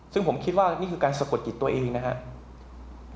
ซึ่งผมคิดว่านี่คือการสะกดจิตตัวเองนะครับ